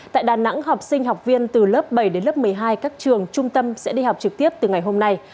tại đà nẵng học sinh học viên từ lớp bảy đến lớp một mươi hai các trường trung tâm sẽ đi học trực tiếp từ ngày hôm nay